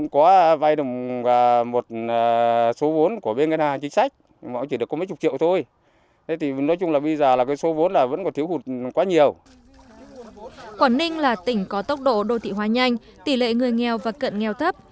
quảng ninh là tỉnh có tốc độ đô thị hóa nhanh tỷ lệ người nghèo và cận nghèo thấp